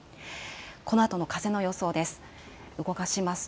このあとの風の予想です。